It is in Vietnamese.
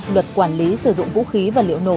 luật quản lý sử dụng vũ khí và liệu nổ